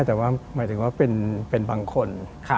แต่ว่าหมายถึงว่าเป็นบางคน